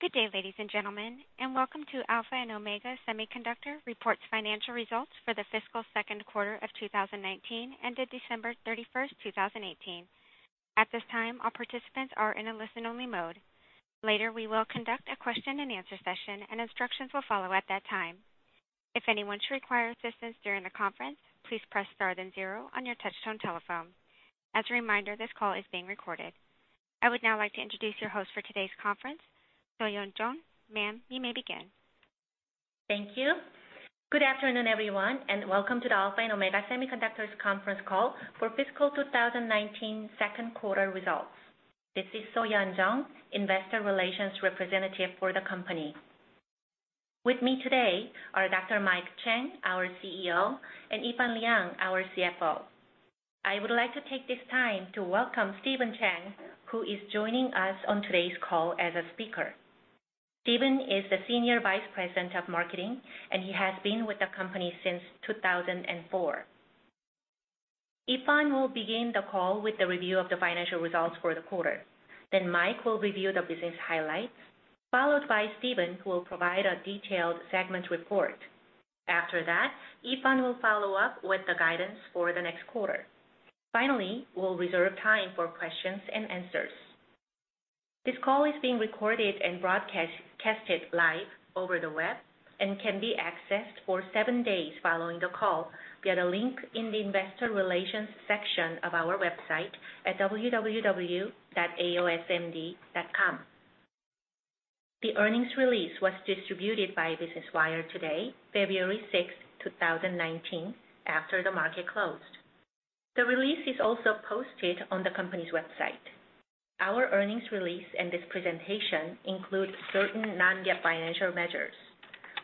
Good day, ladies and gentlemen. Welcome to Alpha and Omega Semiconductor reports financial results for the fiscal second quarter of 2019, ending December 31, 2018. At this time, all participants are in a listen-only mode. Later, we will conduct a question-and-answer session, and instructions will follow at that time. If anyone should require assistance during the conference, please press star then zero on your touchtone telephone. As a reminder, this call is being recorded. I would now like to introduce your host for today's conference, So-Yeon Jeong. Ma'am, you may begin. Thank you. Good afternoon, everyone, and welcome to the Alpha and Omega Semiconductor conference call for fiscal 2019 second quarter results. This is So-Yeon Jeong, investor relations representative for the company. With me today are Dr. Mike Chang, our CEO, and Yifan Liang, our CFO. I would like to take this time to welcome Stephen Chang, who is joining us on today's call as a speaker. Stephen is the Senior Vice President of Marketing, and he has been with the company since 2004. Yifan will begin the call with the review of the financial results for the quarter. Mike will review the business highlights, followed by Stephen, who will provide a detailed segment report. After that, Yifan will follow up with the guidance for the next quarter. Finally, we'll reserve time for questions and answers. This call is being recorded and broadcast live over the web and can be accessed for seven days following the call via the link in the investor relations section of our website at aosmd.com. The earnings release was distributed by Business Wire today, February 6, 2019, after the market closed. The release is also posted on the company's website. Our earnings release and this presentation include certain non-GAAP financial measures.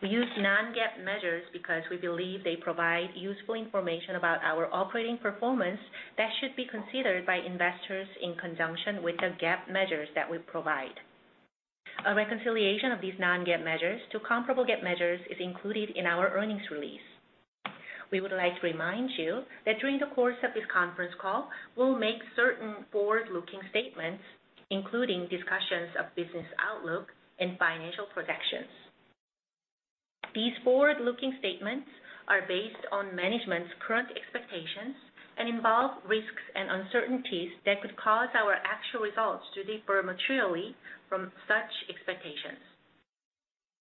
We use non-GAAP measures because we believe they provide useful information about our operating performance that should be considered by investors in conjunction with the GAAP measures that we provide. A reconciliation of these non-GAAP measures to comparable GAAP measures is included in our earnings release. We would like to remind you that during the course of this conference call, we'll make certain forward-looking statements, including discussions of business outlook and financial projections. These forward-looking statements are based on management's current expectations and involve risks and uncertainties that could cause our actual results to differ materially from such expectations.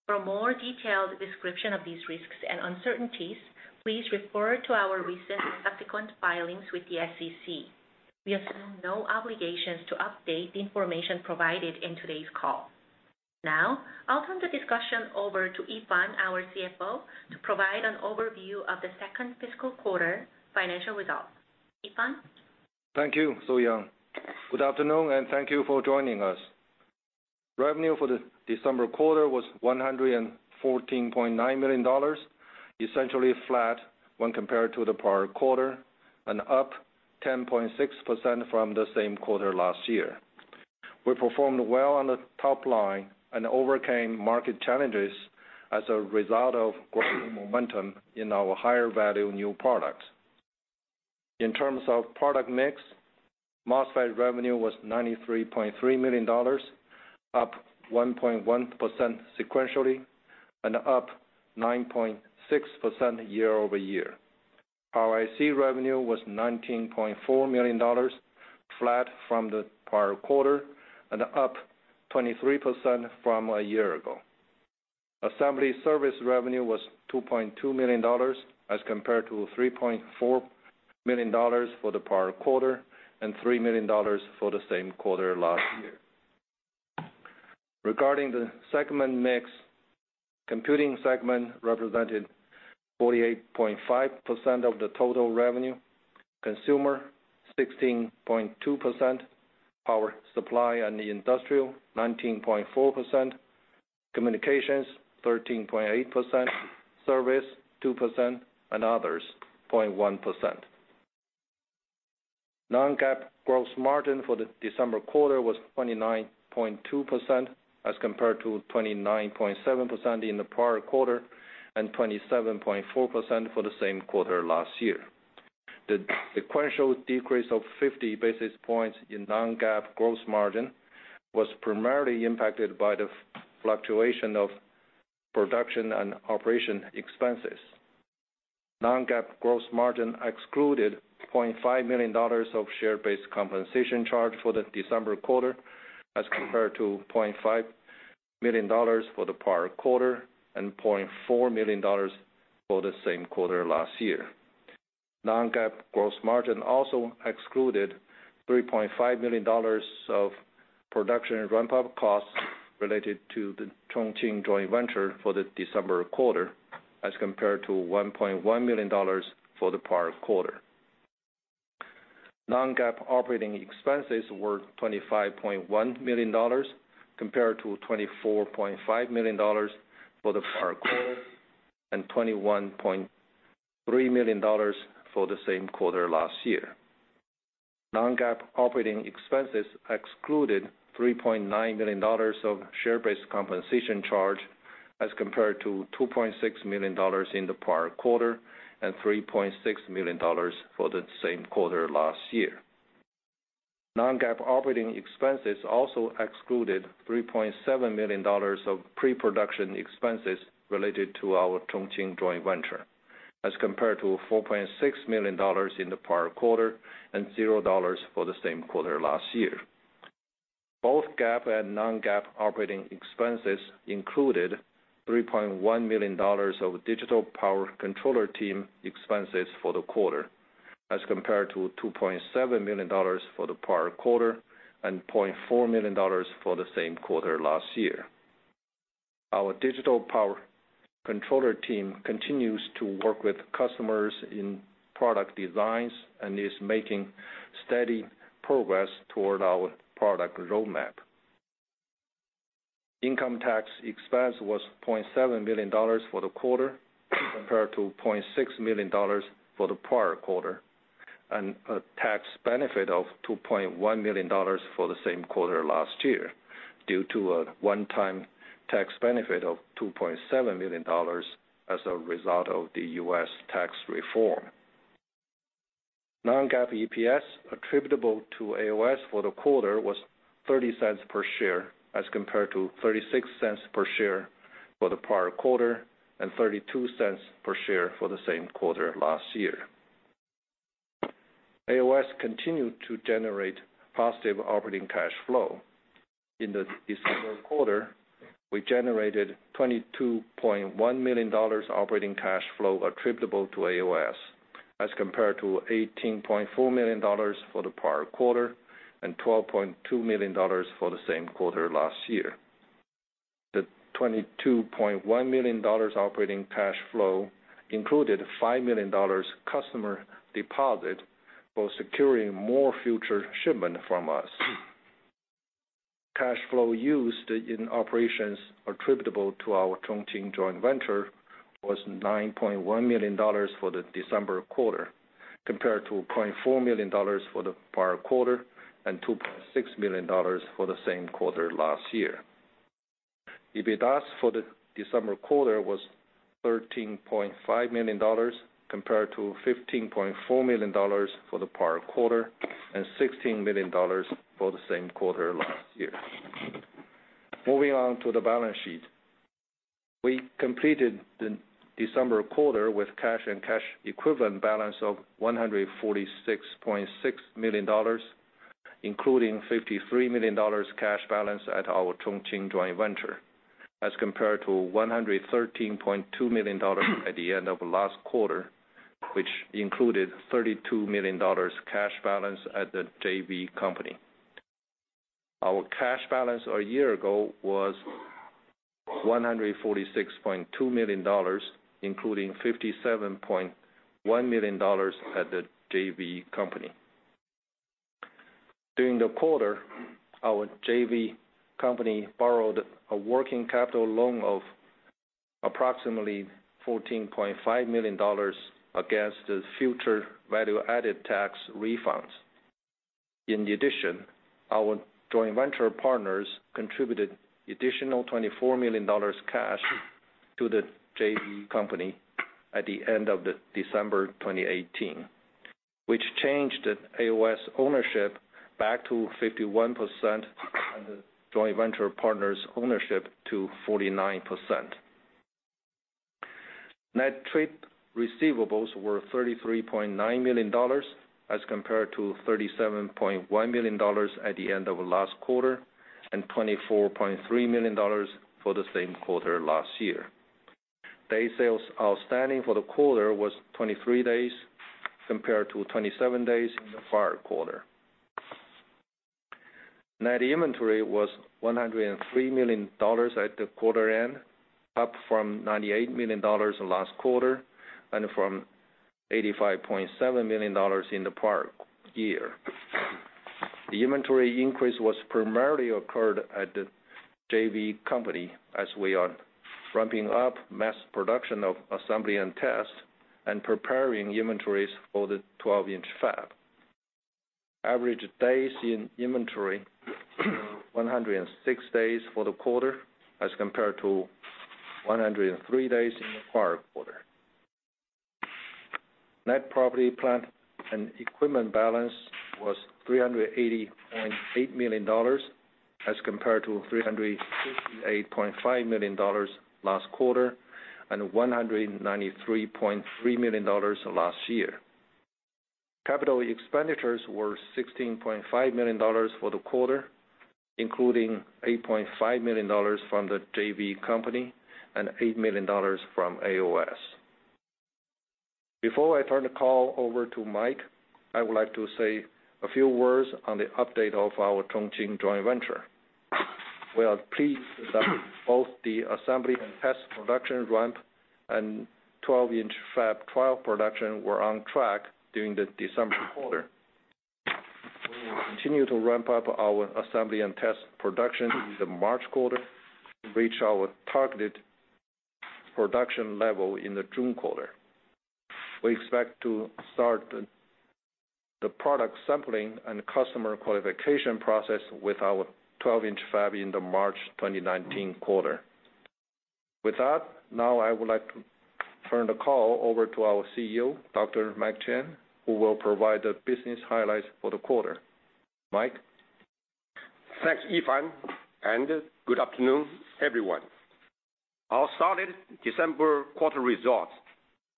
For a more detailed description of these risks and uncertainties, please refer to our recent and subsequent filings with the SEC. We assume no obligations to update the information provided in today's call. I'll turn the discussion over to Yifan, our CFO, to provide an overview of the second fiscal quarter financial results. Yifan? Thank you, So-Yeon. Good afternoon, thank you for joining us. Revenue for the December quarter was $114.9 million, essentially flat when compared to the prior quarter and up 10.6% from the same quarter last year. We performed well on the top line and overcame market challenges as a result of growing momentum in our higher-value new products. In terms of product mix, MOSFET revenue was $93.3 million, up 1.1% sequentially and up 9.6% year-over-year. Our IC revenue was $19.4 million, flat from the prior quarter and up 23% from a year ago. Assembly service revenue was $2.2 million as compared to $3.4 million for the prior quarter and $3 million for the same quarter last year. Regarding the segment mix, computing segment represented 48.5% of the total revenue, consumer 16.2%, power supply and industrial 19.4%, communications 13.8%, service 2%, and others 0.1%. Non-GAAP gross margin for the December quarter was 29.2%, as compared to 29.7% in the prior quarter and 27.4% for the same quarter last year. The sequential decrease of 50 basis points in non-GAAP gross margin was primarily impacted by the fluctuation of production and operation expenses. Non-GAAP gross margin excluded $0.5 million of share-based compensation charge for the December quarter as compared to $0.5 million for the prior quarter and $0.4 million for the same quarter last year. Non-GAAP gross margin also excluded $3.5 million of production and ramp-up costs related to the Chongqing joint venture for the December quarter, as compared to $1.1 million for the prior quarter. Non-GAAP operating expenses were $25.1 million compared to $24.5 million for the prior quarter and $21.3 million for the same quarter last year. Non-GAAP operating expenses excluded $3.9 million of share-based compensation charge as compared to $2.6 million in the prior quarter and $3.6 million for the same quarter last year. Non-GAAP operating expenses also excluded $3.7 million of pre-production expenses related to our Chongqing Joint Venture, as compared to $4.6 million in the prior quarter and $0.0 For the same quarter last year. Both GAAP and non-GAAP operating expenses included $3.1 million of digital power controller team expenses for the quarter, as compared to $2.7 million for the prior quarter and $0.4 million for the same quarter last year. Our digital power controller team continues to work with customers in product designs and is making steady progress toward our product roadmap. Income tax expense was $0.7 million for the quarter, compared to $0.6 million for the prior quarter, and a tax benefit of $2.1 million for the same quarter last year, due to a one-time tax benefit of $2.7 million as a result of the U.S. tax reform. Non-GAAP EPS attributable to AOS for the quarter was $0.30 per share, as compared to $0.36 per share for the prior quarter, and $0.32 per share for the same quarter last year. AOS continued to generate positive operating cash flow. In the December quarter, we generated $22.1 million operating cash flow attributable to AOS, as compared to $18.4 million for the prior quarter and $12.2 million for the same quarter last year. The $22.1 million operating cash flow included a $5 million customer deposit for securing more future shipments from us. Cash flow used in operations attributable to our Chongqing joint venture was $9.1 million for the December quarter, compared to $0.4 million for the prior quarter and $2.6 million for the same quarter last year. EBITDA for the December quarter was $13.5 million, compared to $15.4 million for the prior quarter and $16 million for the same quarter last year. Moving on to the balance sheet. We completed the December quarter with a cash and cash equivalent balance of $146.6 million, including a $53 million cash balance at our Chongqing joint venture, as compared to $113.2 million at the end of last quarter, which included a $32 million cash balance at the JV Company. Our cash balance a year ago was $146.2 million, including $57.1 million at the JV Company. During the quarter, our JV Company borrowed a working capital loan of approximately $14.5 million against the future value-added tax refunds. In addition, our joint venture partners contributed additional $24 million cash to the JV Company at the end of December 2018, which changed the AOS ownership back to 51% and the joint venture partner's ownership to 49%. Net trade receivables were $33.9 million as compared to $37.1 million at the end of last quarter, and $24.3 million for the same quarter last year. Day sales outstanding for the quarter was 23 days, compared to 27 days in the prior quarter. Net inventory was $103 million at the quarter end, up from $98 million in the last quarter and from $85.7 million in the prior year. The inventory increase was primarily occurred at the JV Company as we are ramping up mass production of assembly and test and preparing inventories for the 12-inch fab. Average days in inventory, 106 days for the quarter as compared to 103 days in the prior quarter. Net property, plant, and equipment balance was $380.8 million as compared to $358.5 million last quarter, and $193.3 million last year. Capital expenditures were $16.5 million for the quarter, including $8.5 million from the JV Company and $8 million from AOS. Before I turn the call over to Mike, I would like to say a few words on the update of our Chongqing joint venture. We are pleased that both the assembly and test production ramp and 12-inch fab trial production were on track during the December quarter. We will continue to ramp up our assembly and test production in the March quarter to reach our targeted production level in the June quarter. We expect to start the product sampling and customer qualification process with our 12-inch fab in the March 2019 quarter. With that, now I would like to turn the call over to our CEO, Dr. Mike Chang, who will provide the business highlights for the quarter. Mike? Thanks, Yifan, and good afternoon, everyone. Our solid December quarter results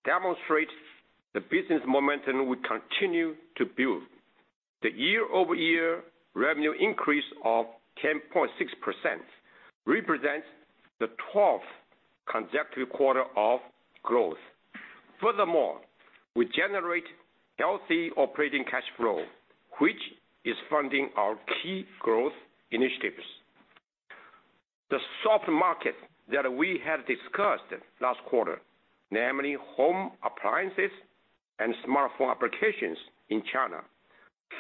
demonstrate the business momentum we continue to build. The year-over-year revenue increase of 10.6% represents the 12 consecutive quarter of growth. We generate healthy operating cash flow, which is funding our key growth initiatives. The soft market that we had discussed last quarter, namely home appliances and smartphone applications in China,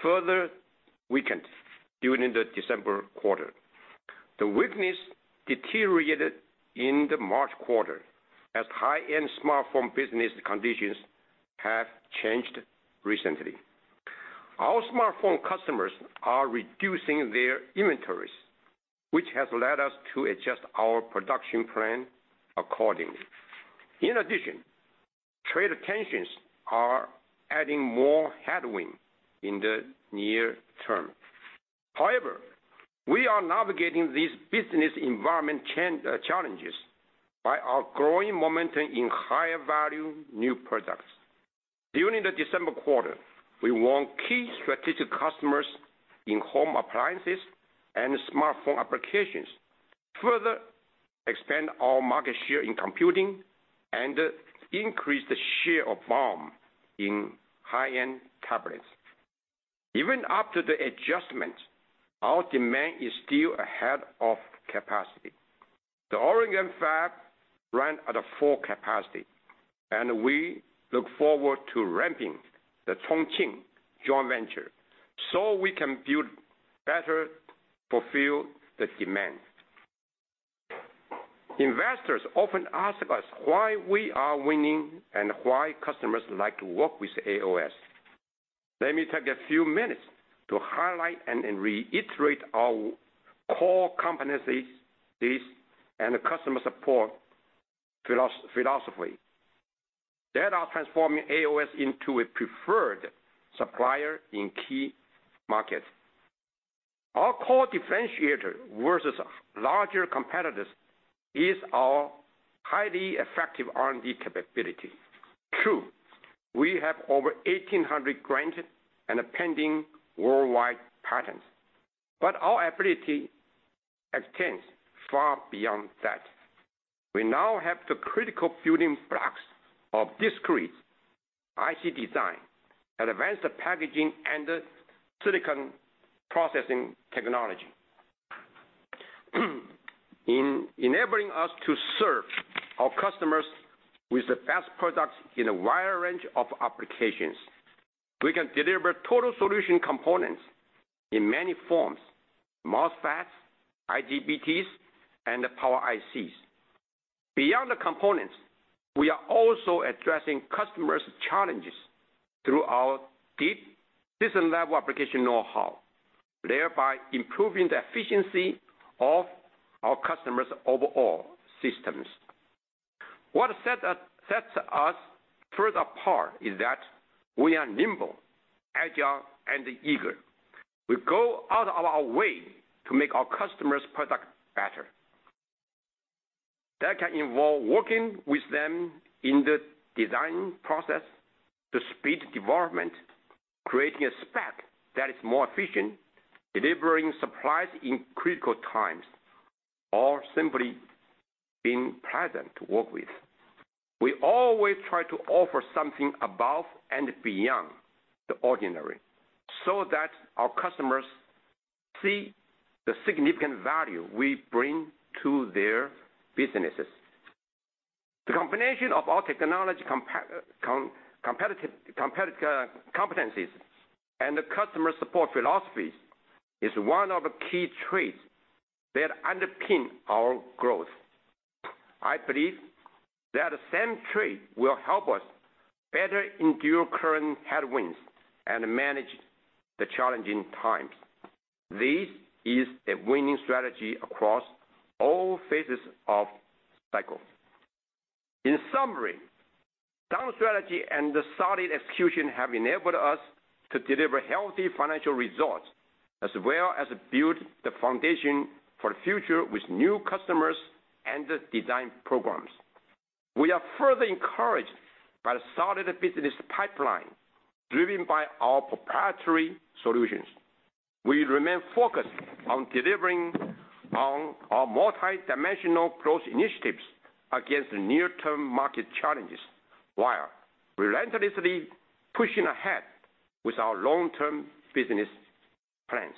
further weakened during the December quarter. The weakness deteriorated in the March quarter as high-end smartphone business conditions have changed recently. Our smartphone customers are reducing their inventories, which has led us to adjust our production plan accordingly. Trade tensions are adding more headwind in the near term. We are navigating these business environment challenges by our growing momentum in higher-value new products. During the December quarter, we won key strategic customers in home appliances and smartphone applications, further expand our market share in computing, and increased the share of BOM in high-end tablets. Even after the adjustment, our demand is still ahead of capacity. The Oregon fab ran at a full capacity, and we look forward to ramping the Chongqing joint venture so we can better fulfill the demand. Investors often ask us why we are winning and why customers like to work with AOS. Let me take a few minutes to highlight and reiterate our core competencies and customer support philosophy. Data are transforming AOS into a preferred supplier in key markets. Our core differentiator versus larger competitors is our highly effective R&D capability. True, we have over 1,800 granted and pending worldwide patents, but our ability extends far beyond that. We now have the critical building blocks of discrete IC design, advanced packaging, and silicon processing technology, enabling us to serve our customers with the best products in a wide range of applications. We can deliver total solution components in many forms: MOSFETs, IGBTs, and power ICs. Beyond the components, we are also addressing customers' challenges through our deep system-level application know-how, thereby improving the efficiency of our customers' overall systems. What sets us further apart is that we are nimble, agile, and eager. We go out of our way to make our customers' products better. That can involve working with them in the design process to speed development, creating a spec that is more efficient, delivering supplies in critical times, or simply being pleasant to work with. We always try to offer something above and beyond the ordinary so that our customers see the significant value we bring to their businesses. The combination of our technology competencies and the customer support philosophies is one of the key traits that underpin our growth. I believe that the same trait will help us better endure current headwinds and manage the challenging times. This is a winning strategy across all phases of the cycle. Sound strategy and solid execution have enabled us to deliver healthy financial results as well as build the foundation for the future with new customers and design programs. We are further encouraged by the solid business pipeline driven by our proprietary solutions. We remain focused on delivering on our multidimensional growth initiatives against the near-term market challenges while relentlessly pushing ahead with our long-term business plans.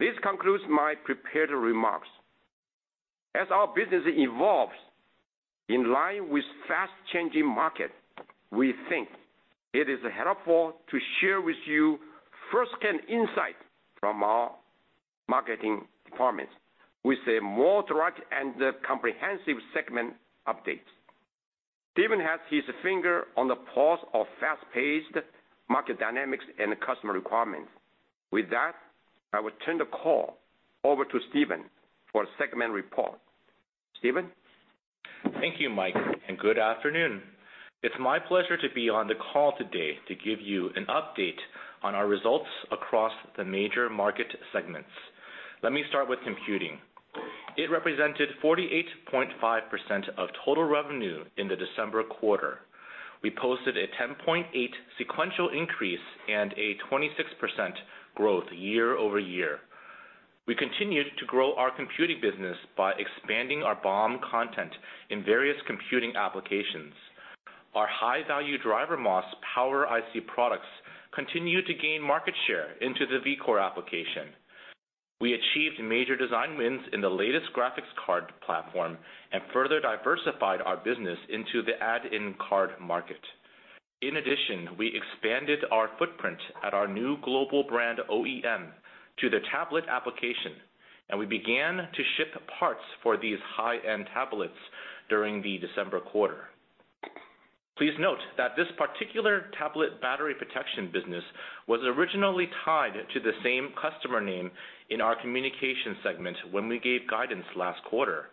This concludes my prepared remarks. As our business evolves in line with fast-changing market, we think it is helpful to share with you first-hand insight from our marketing departments with a more direct and comprehensive segment update. Stephen has his finger on the pulse of fast-paced market dynamics and customer requirements. With that, I will turn the call over to Stephen for a segment report. Stephen? Thank you, Mike, and good afternoon. It's my pleasure to be on the call today to give you an update on our results across the major market segments. Let me start with computing. It represented 48.5% of total revenue in the December quarter. We posted a 10.8% sequential increase and a 26% growth year over year. We continued to grow our computing business by expanding our BOM content in various computing applications. Our high-value DrMOS power IC products continued to gain market share into the Vcore application. We achieved major design wins in the latest graphics card platform and further diversified our business into the add-in card market. In addition, we expanded our footprint at our new global brand OEM to the tablet application, and we began to ship parts for these high-end tablets during the December quarter. Please note that this particular tablet battery protection business was originally tied to the same customer name in our communication segment when we gave guidance last quarter.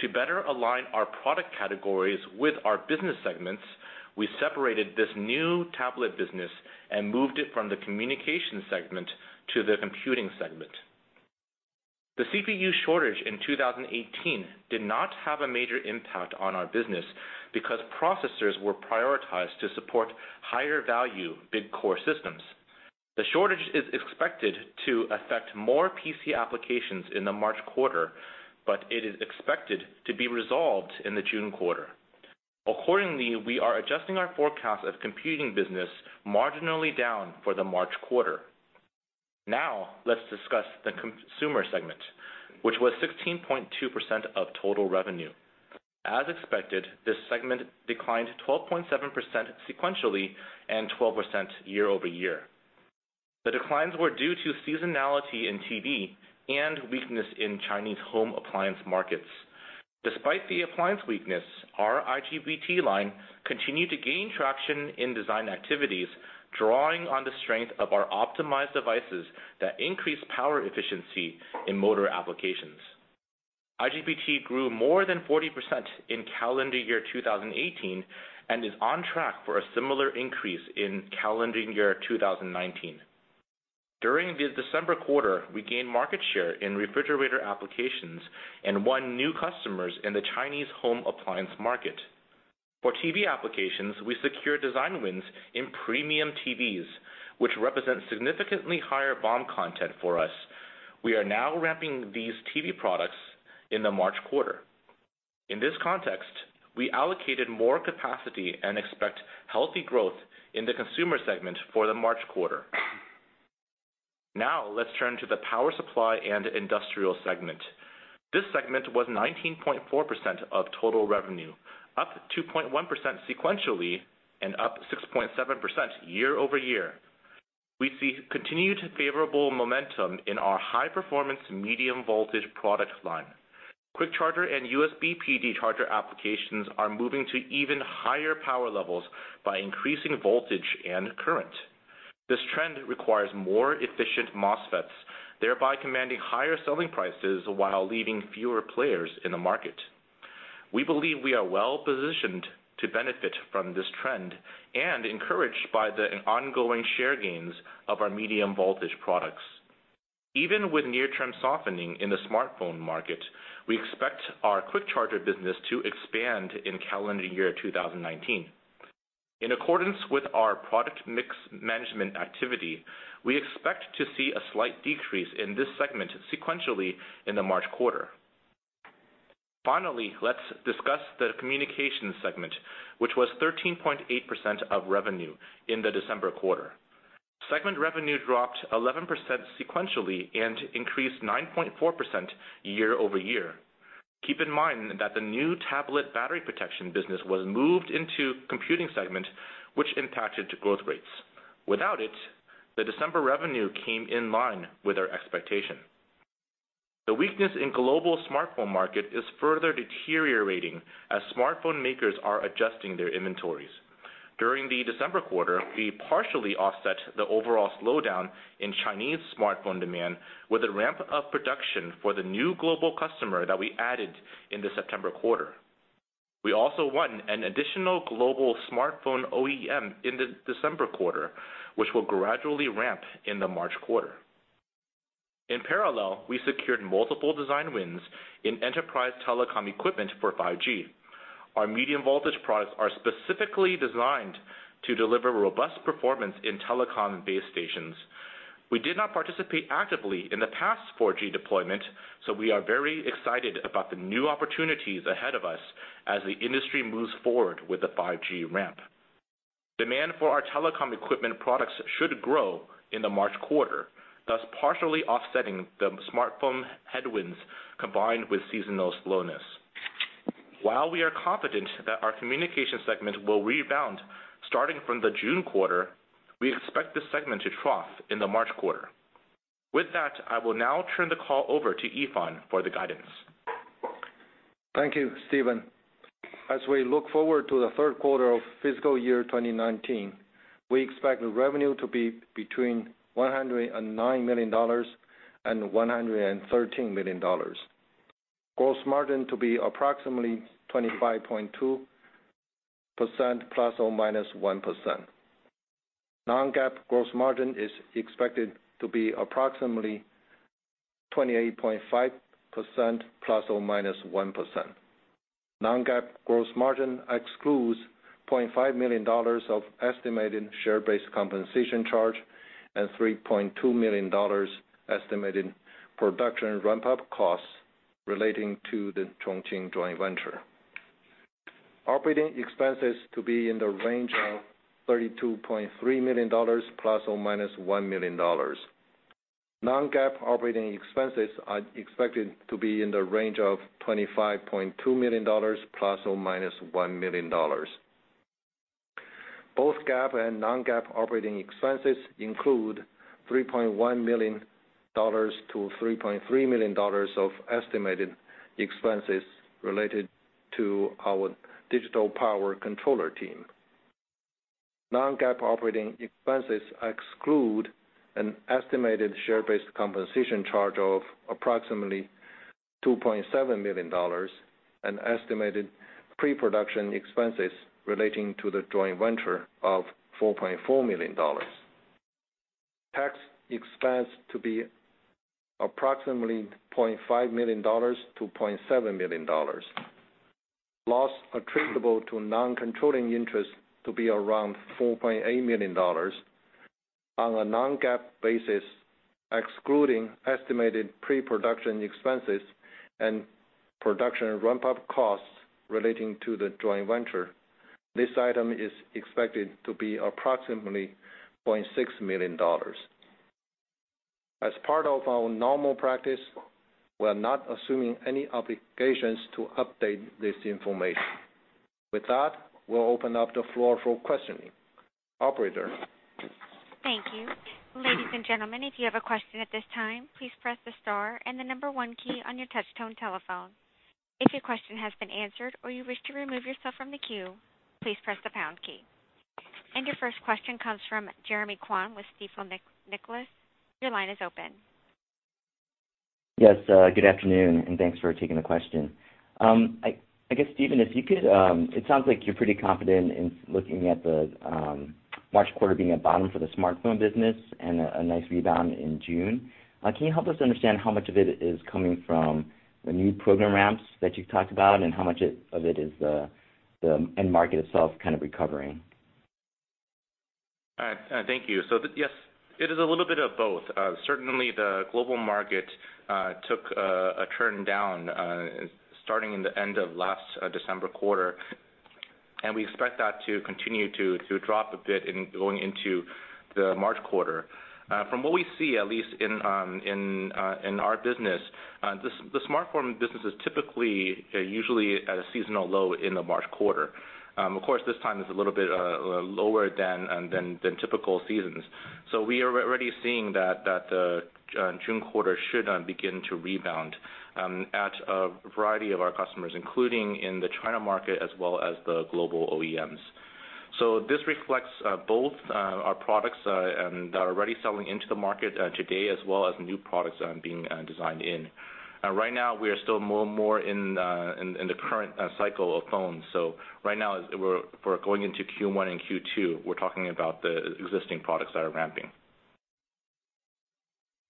To better align our product categories with our business segments, we separated this new tablet business and moved it from the communication segment to the computing segment. The CPU shortage in 2018 did not have a major impact on our business because processors were prioritized to support higher-value big core systems. The shortage is expected to affect more PC applications in the March quarter, but it is expected to be resolved in the June quarter. Accordingly, we are adjusting our forecast of computing business marginally down for the March quarter. Now let's discuss the consumer segment, which was 16.2% of total revenue. As expected, this segment declined 12.7% sequentially and 12% year-over-year. The declines were due to seasonality in TV and weakness in Chinese home appliance markets. Despite the appliance weakness, our IGBT line continued to gain traction in design activities, drawing on the strength of our optimized devices that increase power efficiency in motor applications. IGBT grew more than 40% in calendar year 2018 and is on track for a similar increase in calendar year 2019. During the December quarter, we gained market share in refrigerator applications and won new customers in the Chinese home appliance market. For TV applications, we secured design wins in premium TVs, which represent significantly higher BOM content for us. We are now ramping these TV products in the March quarter. In this context, we allocated more capacity and expect healthy growth in the consumer segment for the March quarter. Now let's turn to the power supply and industrial segment. This segment was 19.4% of total revenue, up 2.1% sequentially and up 6.7% year-over-year. We see continued favorable momentum in our high-performance medium voltage product line. Quick charger and USB PD charger applications are moving to even higher power levels by increasing voltage and current. This trend requires more efficient MOSFETs, thereby commanding higher selling prices while leaving fewer players in the market. We believe we are well-positioned to benefit from this trend and encouraged by the ongoing share gains of our medium voltage products. Even with near-term softening in the smartphone market, we expect our quick charger business to expand in calendar year 2019. In accordance with our product mix management activity, we expect to see a slight decrease in this segment sequentially in the March quarter. Finally, let's discuss the communication segment, which was 13.8% of revenue in the December quarter. Segment revenue dropped 11% sequentially and increased 9.4% year-over-year. Keep in mind that the new tablet battery protection business was moved into computing segment, which impacted growth rates. Without it, the December revenue came in line with our expectation. The weakness in global smartphone market is further deteriorating as smartphone makers are adjusting their inventories. During the December quarter, we partially offset the overall slowdown in Chinese smartphone demand with a ramp of production for the new global customer that we added in the September quarter. We also won an additional global smartphone OEM in the December quarter, which will gradually ramp in the March quarter. In parallel, we secured multiple design wins in enterprise telecom equipment for 5G. Our medium voltage products are specifically designed to deliver robust performance in telecom base stations. We did not participate actively in the past 4G deployment. We are very excited about the new opportunities ahead of us as the industry moves forward with the 5G ramp. Demand for our telecom equipment products should grow in the March quarter, thus partially offsetting the smartphone headwinds combined with seasonal slowness. While we are confident that our communication segment will rebound starting from the June quarter, we expect this segment to trough in the March quarter. With that, I will now turn the call over to Yifan for the guidance. Thank you, Stephen. As we look forward to the third quarter of fiscal year 2019, we expect the revenue to be between $109 million and $113 million. Gross margin to be approximately 25.2% ± 1%. Non-GAAP gross margin is expected to be approximately 28.5% ± 1%. Non-GAAP gross margin excludes $0.5 million of estimated share-based compensation charge and $3.2 million estimated production ramp-up costs relating to the Chongqing joint venture. Operating expenses to be in the range of $32.3 million ± $1 million. Non-GAAP operating expenses are expected to be in the range of $25.2 million ± $1 million. Both GAAP and non-GAAP operating expenses include $3.1 million-$3.3 million of estimated expenses related to our digital power controller team. Non-GAAP operating expenses exclude an estimated share-based compensation charge of approximately $2.7 million, an estimated pre-production expenses relating to the joint venture of $4.4 million. Tax expense to be approximately $0.5 million to $0.7 million. Loss attributable to non-controlling interests to be around $4.8 million. On a non-GAAP basis, excluding estimated pre-production expenses and production ramp-up costs relating to the joint venture, this item is expected to be approximately $0.6 million. As part of our normal practice, we're not assuming any obligations to update this information. With that, we'll open up the floor for questioning. Operator? Thank you. Ladies and gentlemen, if you have a question at this time, please press the star and the number one key on your touch-tone telephone. If your question has been answered or you wish to remove yourself from the queue, please press the pound key. Your first question comes from Jeremy Kwan with Stifel Nicolaus. Your line is open. Yes, good afternoon, and thanks for taking the question. I guess, Stephen, it sounds like you're pretty confident in looking at the March quarter being a bottom for the smartphone business and a nice rebound in June. Can you help us understand how much of it is coming from the new program ramps that you've talked about, and how much of it is the end market itself kind of recovering? Thank you. Yes, it is a little bit of both. Certainly, the global market took a turn down starting in the end of the last December quarter, and we expect that to continue to drop a bit going into the March quarter. From what we see, at least in our business, the smartphone business is typically usually at a seasonal low in the March quarter. Of course, this time is a little bit lower than typical seasons. We are already seeing that the June quarter should begin to rebound at a variety of our customers, including in the China market, as well as the global OEMs. This reflects both our products that are already selling into the market today, as well as new products that are being designed in. Right now, we are still more in the current cycle of phones. Right now, we're going into Q1 and Q2. We're talking about the existing products that are ramping.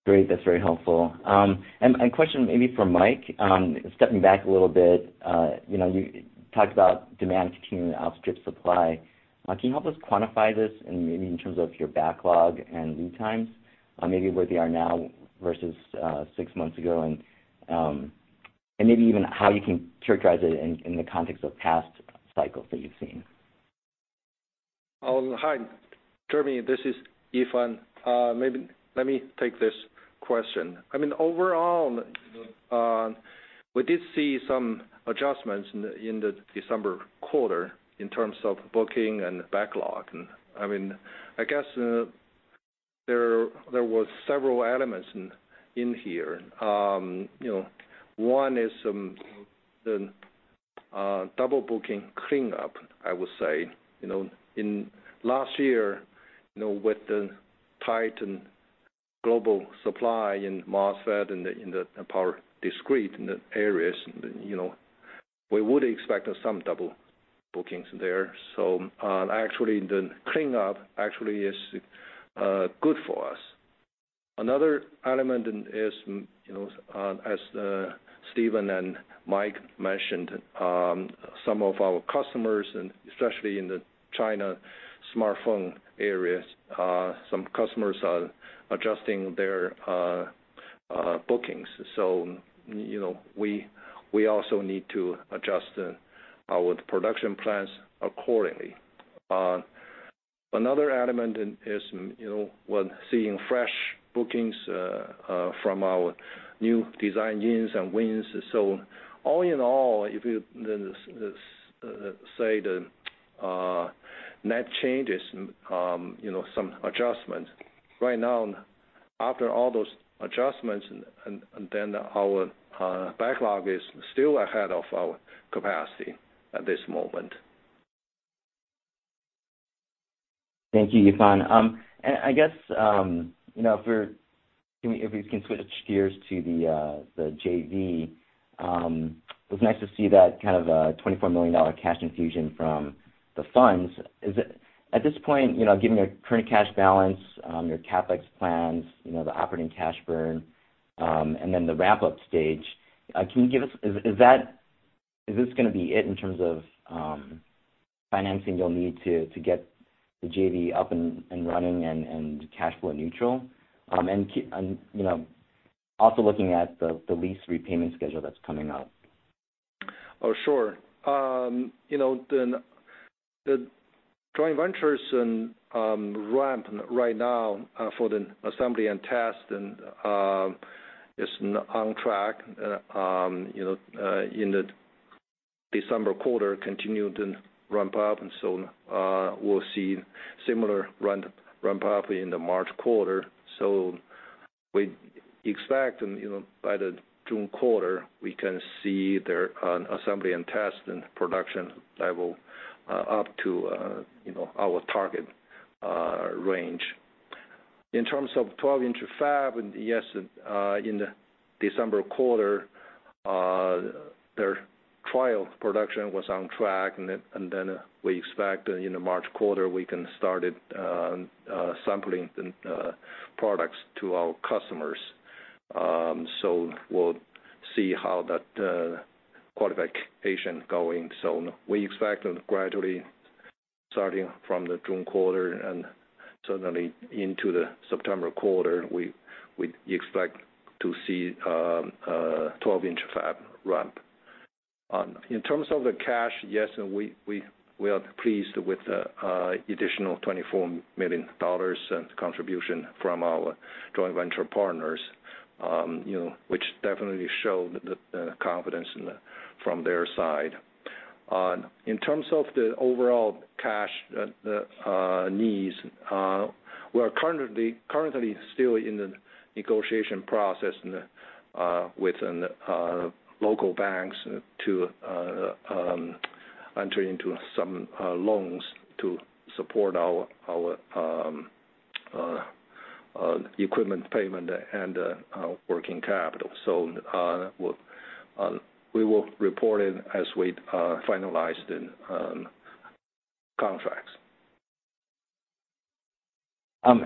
Great. That's very helpful. A question maybe for Mike, stepping back a little bit, you talked about demand continuing to outstrip supply. Can you help us quantify this in maybe in terms of your backlog and lead times, maybe where they are now versus six months ago, and maybe even how you can characterize it in the context of past cycles that you've seen? Hi, Jeremy Kwan. This is Yifan. Maybe let me take this question. Overall, we did see some adjustments in the December quarter in terms of booking and backlog. I guess there were several elements in here. One is the double booking cleanup, I would say. Last year, with the tight and global supply in MOSFET and in the power discrete areas, we would expect some double bookings there. Actually, the cleanup actually is good for us. Another element is, as Stephen and Mike mentioned, some of our customers, especially in the China smartphone areas, some customers are adjusting their bookings. We also need to adjust our production plans accordingly. Another element is we're seeing fresh bookings from our new design-ins and wins. All in all, if you say the net changes, some adjustments. Right now, after all those adjustments, our backlog is still ahead of our capacity at this moment. Thank you, Yifan. I guess, if we can switch gears to the JV Company. It was nice to see that $24 million cash infusion from the funds. At this point, given your current cash balance, your CapEx plans, the operating cash burn, and then the wrap-up stage, is this going to be it in terms of financing you'll need to get the JV up and running and cash flow neutral? Also looking at the lease repayment schedule that's coming up. Oh, sure. The joint ventures ramp right now for the assembly and test is on track. In the December quarter continued to ramp up, we'll see similar ramp-up in the March quarter. We expect by the June quarter, we can see their assembly and test, and production level up to our target range. In terms of 12-inch fab, yes, in the December quarter, their trial production was on track. We expect that in the March quarter, we can start sampling the products to our customers. We'll see how that qualification going. We expect gradually, starting from the June quarter and certainly into the September quarter, we expect to see a 12-inch fab ramp. In terms of the cash, yes, we are pleased with the additional $24 million contribution from our joint venture partners, which definitely shows the confidence from their side. In terms of the overall cash needs, we are currently still in the negotiation process with local banks to enter into some loans to support our equipment payment and our working capital. We will report it as we finalize the contracts.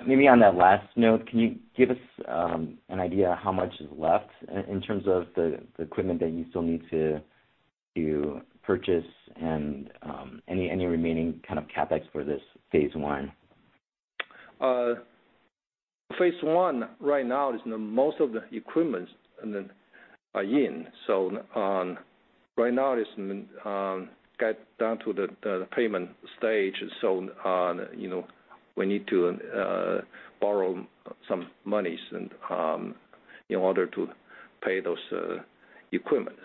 Maybe on that last note, can you give us an idea of how much is left in terms of the equipment that you still need to purchase and any remaining CapEx for this phase one? Phase I right now is most of the equipment are in. Right now it's got down to the payment stage. We need to borrow some money in order to pay those equipment.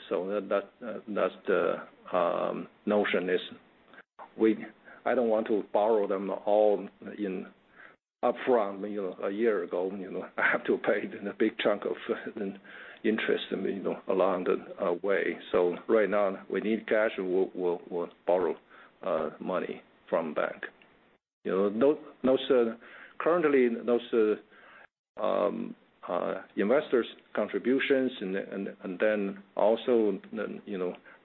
That's the notion is I don't want to borrow them all upfront a year ago. I have to pay a big chunk of interest along the way. Right now, we need cash, and we'll borrow money from bank. Currently, those investors' contributions, and then also,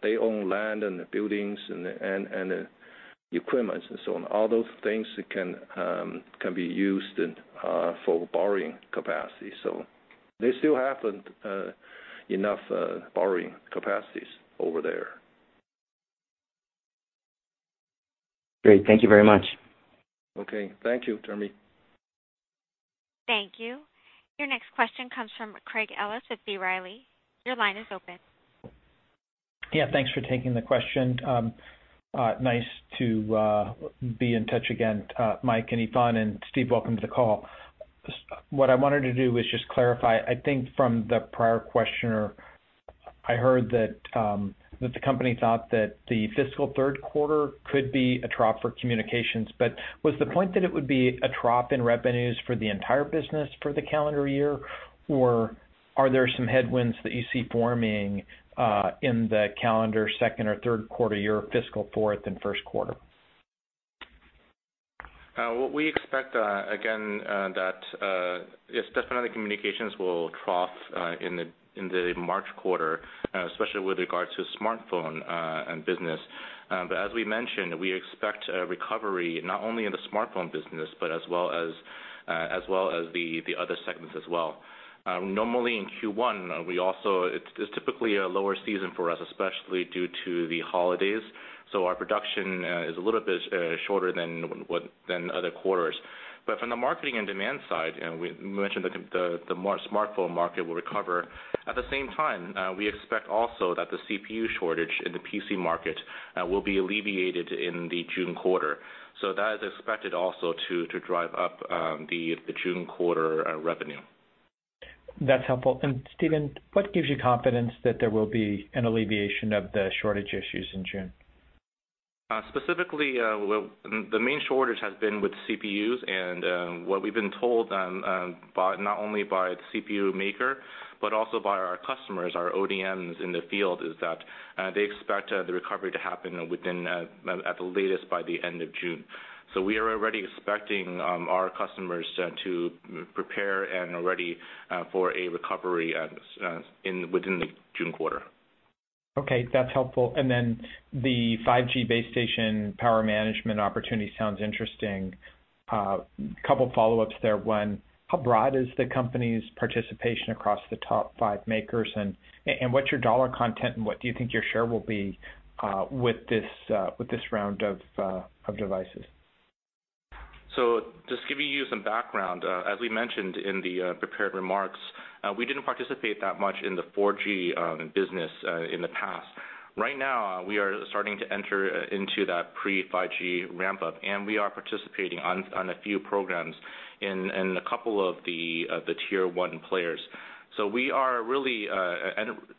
they own land and the buildings and the equipment, and so on. All those things can be used for borrowing capacity. They still have enough borrowing capacities over there. Great. Thank you very much. Okay. Thank you, Jeremy. Thank you. Your next question comes from Craig Ellis with B. Riley Securities. Your line is open. Yeah. Thanks for taking the question. Nice to be in touch again, Mike and Yifan, and Stephen, welcome to the call. What I wanted to do was just clarify. I think from the prior questioner, I heard that the company thought that the fiscal third quarter could be a trough for communications. Was the point that it would be a trough in revenues for the entire business for the calendar year, or are there some headwinds that you see forming in the calendar second or third quarter, your fiscal fourth and first quarter? What we expect, again, that, yes, definitely communications will through in the March quarter, especially with regard to smartphones and business. As we mentioned, we expect a recovery not only in the smartphone business, as well as the other segments as well. Normally, in Q1, it's typically a lower season for us, especially due to the holidays, so our production is a little bit shorter than other quarters. From the marketing and demand side, we mentioned the smartphone market will recover. At the same time, we expect also that the CPU shortage in the PC market will be alleviated in the June quarter. That is expected also to drive up the June quarter revenue. That's helpful. Stephen, what gives you confidence that there will be an alleviation of the shortage issues in June? Specifically, the main shortage has been with CPUs, and what we've been told not only by the CPU maker, but also by our customers, our ODMs in the field, is that they expect the recovery to happen within, at the latest, by the end of June. We are already expecting our customers to prepare and are ready for a recovery within the June quarter. Okay, that's helpful. The 5G base station power management opportunity sounds interesting. Couple of follow-ups there. One, how broad is the company's participation across the top 5 makers? What's your dollar content, and what do you think your share will be with this round of devices? Just giving you some background, as we mentioned in the prepared remarks, we didn't participate that much in the 4G business in the past. Right now, we are starting to enter into that pre-5G ramp-up, we are participating on a few programs in a couple of the tier one players. We are really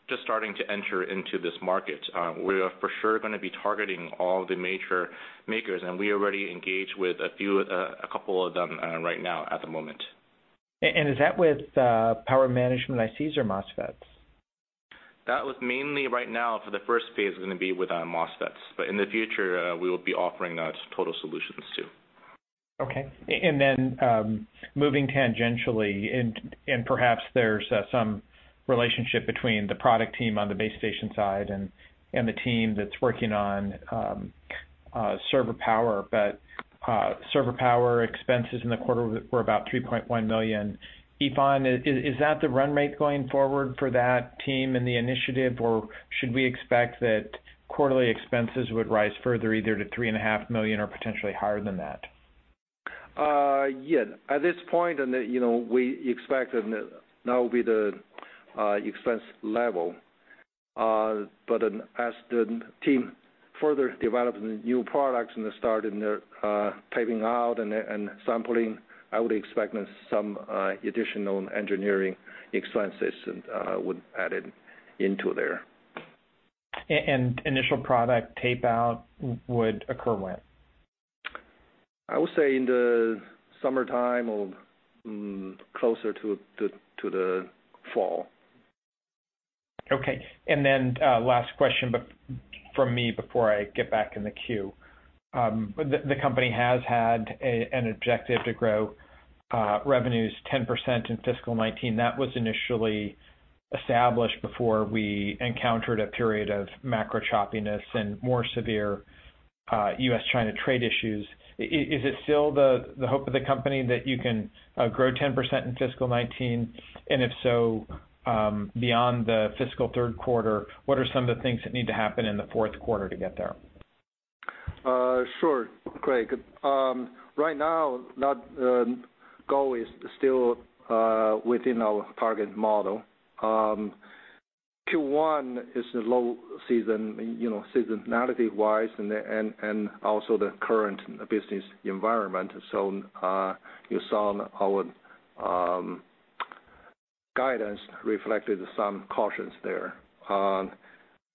just starting to enter into this market. We are for sure going to be targeting all the major makers, we already engage with a couple of them right now at the moment. Is that with power management ICs or MOSFETs? That was mainly right now for the first phase is going to be with our MOSFETs. In the future, we will be offering those total solutions, too. Okay. Then, moving tangentially and perhaps there's some relationship between the product team on the base station side and the team that's working on server power. Server power expenses in the quarter were about $3.1 million. Yifan, is that the run rate going forward for that team and the initiative, or should we expect that quarterly expenses would rise further, either to $3.5 million or potentially higher than that? Yeah. At this point, we expect that will be the expense level. As the team further develop the new products and start taping out and sampling, I would expect some additional engineering expenses would be added into there. Initial product tape-out would occur when? I would say in the summertime or closer to the fall. Last question from me before I get back in the queue. The company has had an objective to grow revenues 10% in fiscal 2019. That was initially established before we encountered a period of macro choppiness and more severe U.S.-China trade issues. Is it still the hope of the company that you can grow 10% in fiscal 2019? If so, beyond the fiscal third quarter, what are some of the things that need to happen in the fourth quarter to get there? Sure, Craig. Right now, that goal is still within our target model. Q1 is a low season, seasonality wise, and also the current business environment. You saw our guidance reflected some cautions there.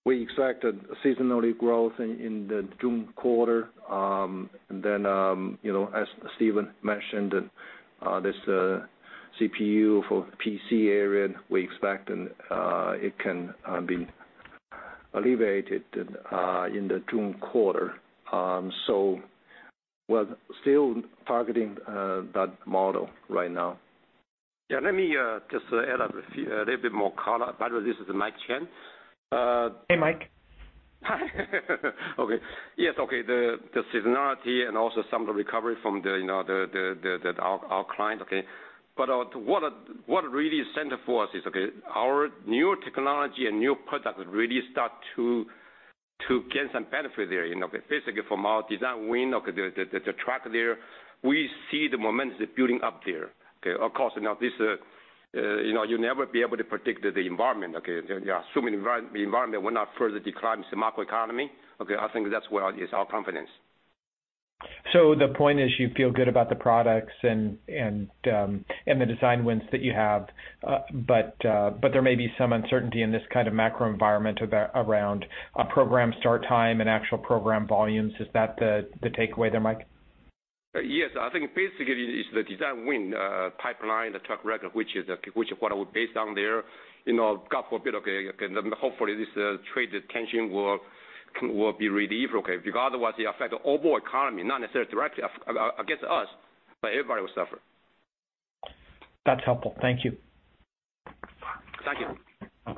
We expected seasonality growth in the June quarter. As Stephen mentioned, this CPU for PC area, we expect it can be alleviated in the June quarter. We're still targeting that model right now. Yeah, let me just add a little bit more color. By the way, this is Mike Chang. Hey, Mike. Hi. Okay. Yes. Okay. The seasonality and also some of the recovery from our clients, okay. What really is center for us is our new technology and new product really start to gain some benefits there. Basically, from our design win, okay, the track there, we see the momentum is building up there. Of course, now this, you'll never be able to predict the environment. Okay? You are assuming the environment will not further decline, it's the macroeconomy. Okay. I think that's where is our confidence. The point is you feel good about the products and the design wins that you have, but there may be some uncertainty in this kind of macro environment around program start time and actual program volumes. Is that the takeaway there, Mike? Yes. I think basically it's the design win pipeline, the track record, which is what I would base down there. God forbid, okay, then hopefully this trade tension will be relieved, okay? Otherwise the effect of overall economy, not necessarily directly against us, but everybody will suffer. That's helpful. Thank you. Thank you.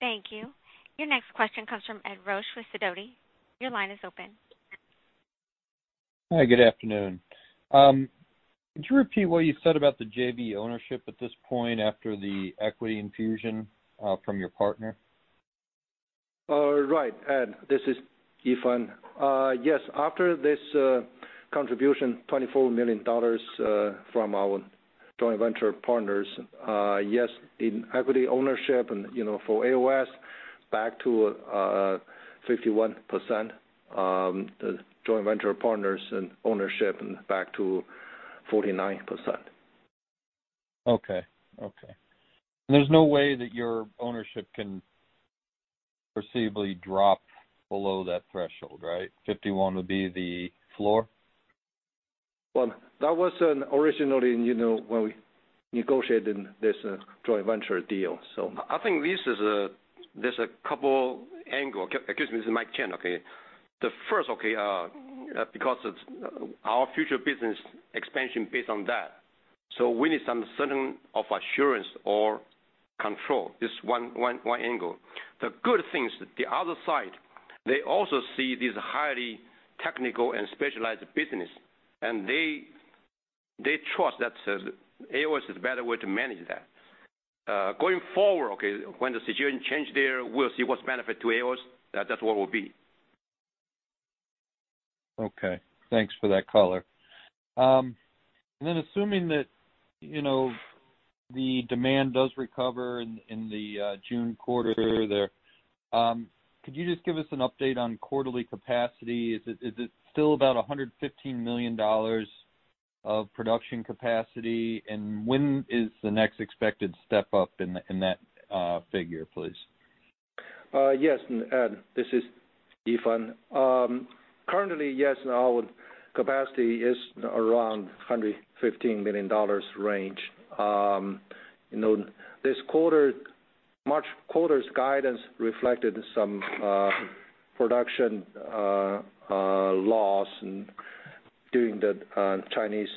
Thank you. Your next question comes from Ed Roesch with Sidoti & Company. Your line is open. Hi, good afternoon. Could you repeat what you said about the JV Company ownership at this point after the equity infusion from your partner? Right. Ed, this is Yifan. Yes, after this contribution, $24 million from our joint venture partners. Yes, in equity ownership and for AOS back to 51% joint venture partners and ownership back to 49%. Okay. There's no way that your ownership can perceivably drop below that threshold, right? 51% would be the floor? Well, that was originally when we negotiated this joint venture deal. I think there's a couple angle. Excuse me, this is Mike Chang, okay? Our future business expansion based on that, we need some certain of assurance or control. This one angle. The good things, the other side, they also see this highly technical and specialized business, and they trust that AOS is a better way to manage that. Going forward, when the situation changes there, we'll see what's benefit to AOS. That's what will be. Okay. Thanks for that color. Then assuming that the demand does recover in the June quarter there, could you just give us an update on quarterly capacity? Is it still about $115 million of production capacity? When is the next expected step up in that figure, please? Yes, Ed. This is Yifan. Currently, yes, our capacity is around $115 million range. This March quarter's guidance reflected some production loss during the Chinese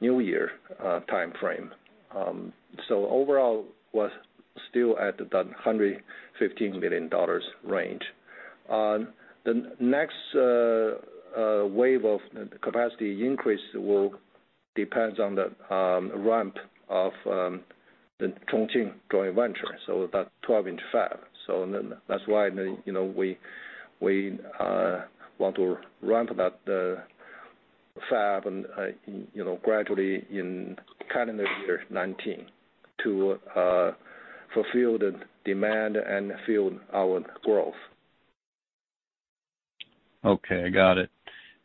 New Year timeframe. Overall, was still at that $115 million range. The next wave of capacity increase will depend on the ramp of the Chongqing joint venture, that 12-inch fab. That is why we want to ramp that fab gradually in calendar year 2019 to fulfill the demand and fuel our growth. Okay, got it.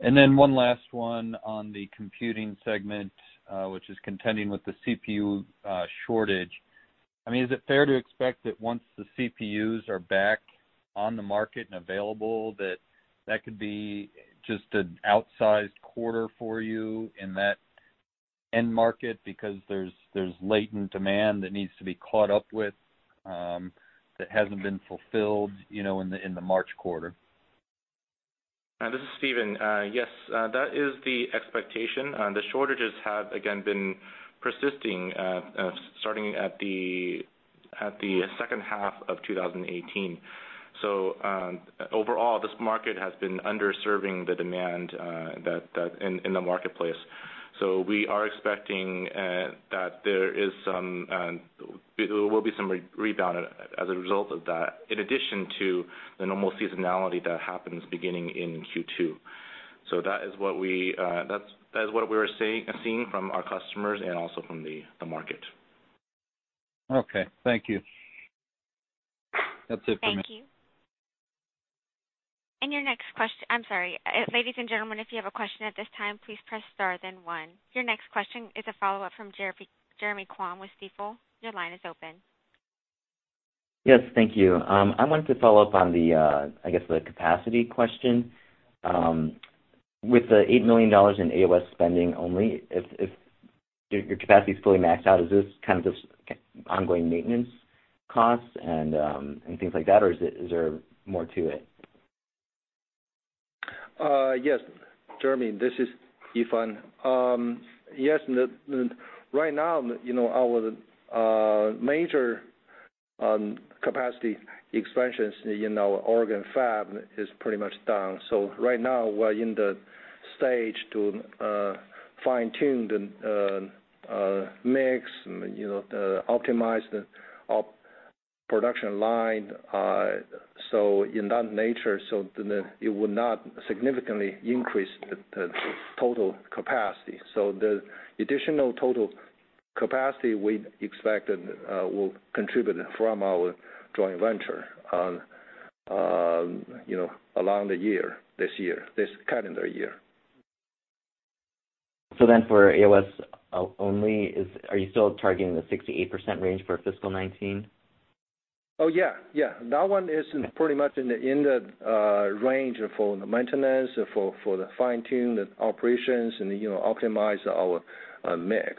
One last one on the computing segment, which is contending with the CPU shortage. Is it fair to expect that once the CPUs are back on the market and available, that could be just an outsized quarter for you in that end market because there's latent demand that needs to be caught up with, that hasn't been fulfilled in the March quarter? This is Stephen. Yes, that is the expectation. The shortages have, again, been persisting starting at the second half of 2018. Overall, this market has been underserving the demand in the marketplace. We are expecting that there will be some rebound as a result of that, in addition to the normal seasonality that happens beginning in Q2. That is what we are seeing from our customers and also from the market. Okay, thank you. That's it for me. Thank you. I'm sorry. Ladies and gentlemen, if you have a question at this time, please press star then one. Your next question is a follow-up from Jeremy Kwan with Stifel Nicolaus. Your line is open. Yes, thank you. I wanted to follow up on the, I guess, the capacity question. With the $8 million in AOS spending only, if your capacity is fully maxed out, is this kind of just ongoing maintenance costs and things like that, or is there more to it? Yes, Jeremy. This is Yifan. Yes. Right now, our major capacity expansions in our Oregon fab is pretty much done. Right now, we're in the stage to fine-tune the mix, optimize the production line. In that nature, it will not significantly increase the total capacity. The additional total capacity we expected will contribute from our joint venture along the year, this year, this calendar year. For AOS only, are you still targeting the 68% range for fiscal 2019? Oh, yeah. That one is pretty much in the range for maintenance, for the fine-tune the operations, and optimize our mix.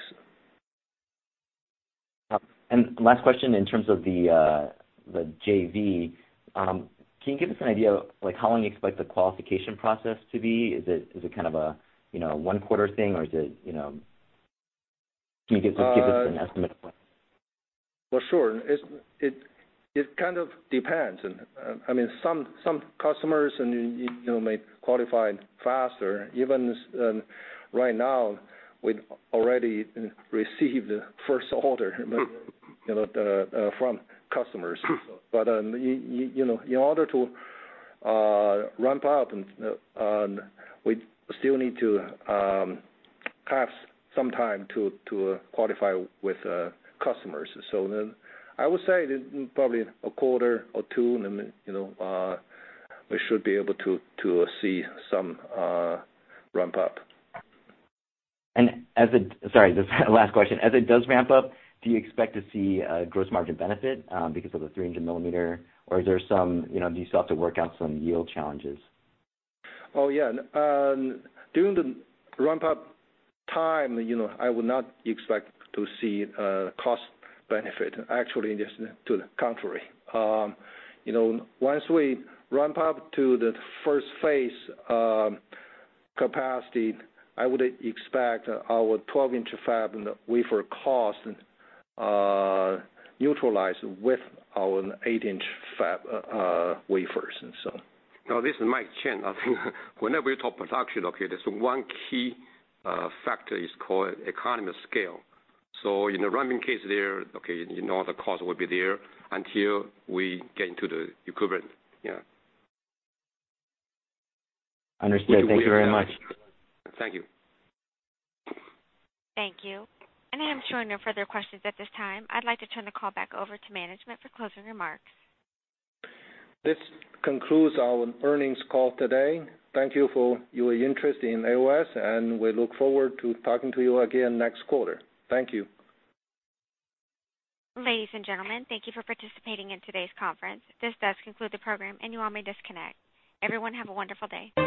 Last question in terms of the JV Company. Can you give us an idea of how long you expect the qualification process to be? Is it kind of a one-quarter thing, or can you give us an estimate? For sure. It kind of depends. Some customers may qualify faster. Even right now, we've already received first order from customers. In order to ramp up, we still need to have some time to qualify with customers. I would say probably a quarter or two, we should be able to see some ramp-up. Sorry, just last question. As it does ramp up, do you expect to see a gross margin benefit because of the 300 millimeter, or do you still have to work out some yield challenges? Oh, yeah. During the ramp-up time, I would not expect to see a cost benefit. Actually, just to the contrary. Once we ramp up to the phase 1 capacity, I would expect our 12-inch fab wafer cost neutralize with our 8-inch fab wafers. This is Mike Chang. I think whenever you talk production, there's one key factor is called economies of scale. In the ramp case there, the cost will be there until we get into the equivalent. Yeah. Understood. Thank you very much. Thank you. Thank you. I am showing no further questions at this time. I'd like to turn the call back over to management for closing remarks. This concludes our earnings call today. Thank you for your interest in AOS. We look forward to talking to you again next quarter. Thank you. Ladies and gentlemen, thank you for participating in today's conference. This does conclude the program. You all may disconnect. Everyone, have a wonderful day.